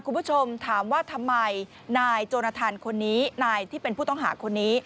คุณผู้ชมถามว่าทำไมนายโจนทันคนนี้นายที่เป็นผู้ต้องหาคนนี้